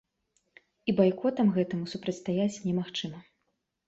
І байкотам гэтаму супрацьстаяць немагчыма.